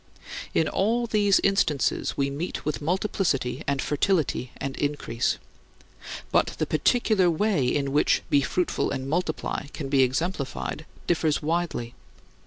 In all these instances we meet with multiplicity and fertility and increase; but the particular way in which "Be fruitful and multiply" can be exemplified differs widely.